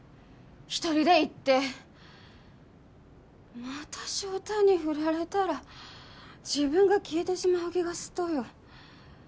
一人で行ってまた翔太にフラれたら自分が消えてしまう気がすっとよ